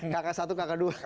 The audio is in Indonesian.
kakak satu kakak dua